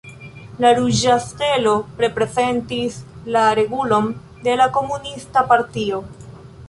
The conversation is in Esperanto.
La ruĝa stelo reprezentis la regulon de la Komunista Partio.